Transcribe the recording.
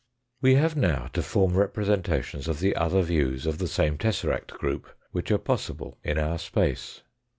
We have now to form representations of the other views of the same tesseract group which are possible in our space.